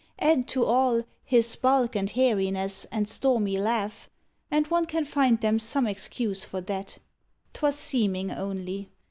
Add to all His bulk and hairiness and stormy laugh. And one can find them some excuse for that. 'Twas seeming only.